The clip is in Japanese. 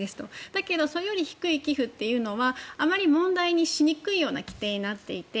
だけどそれより低い寄付というのはあまり問題にしにくいような規定になっていて。